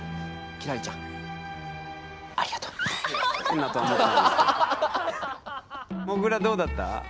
輝星ちゃんもぐらどうだった？